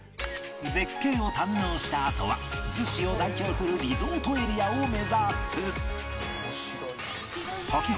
絶景を堪能したあとは逗子を代表するリゾートエリアを目指す